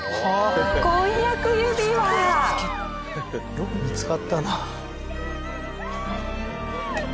よく見つかったなあ。